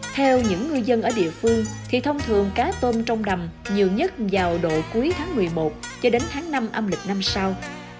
theo những ngư dân ở địa phương thì thông thường cá tôm trong đầm nhiều nhất vào độ cuối tháng một mươi một cho đến tháng năm âm lịch năm sau